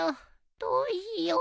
どうしよう。